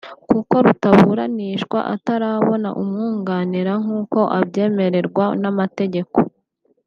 kuko rutaburanishwa atarabona umwunganira nk’uko abyemererwa n’amategeko